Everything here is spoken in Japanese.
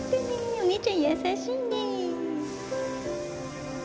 お姉ちゃん優しいね。